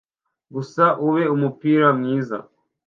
gusa ube umupira mwiza